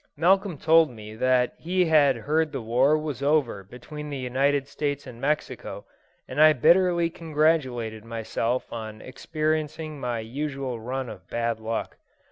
Malcolm told me that he had heard the war was over between the United States and Mexico, and I bitterly congratulated myself on experiencing my usual run of bad luck.